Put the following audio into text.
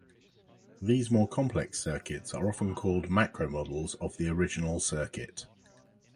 These more complex circuits often are called "macromodels" of the original circuit.